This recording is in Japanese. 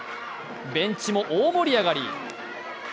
ベンチも大盛り上がり。